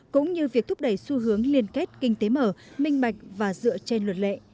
cũng như việc thúc đẩy xu hướng liên kết kinh tế mở minh bạch và dựa trên luật lệ